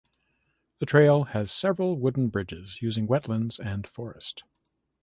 The trail has several wooden bridges using wetlands and forest.